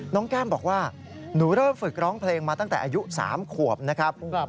แก้มบอกว่าหนูเริ่มฝึกร้องเพลงมาตั้งแต่อายุ๓ขวบนะครับ